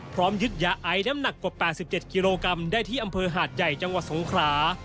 ยึดยาไอน้ำหนักกว่า๘๗กิโลกรัมได้ที่อำเภอหาดใหญ่จังหวัดสงขรา